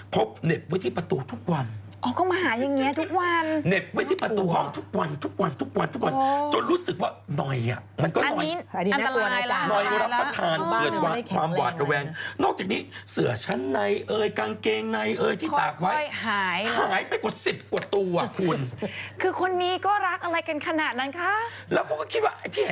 คือคนนี้ตรงนั้นก็รักอะไรกันขนาดนั้นคะ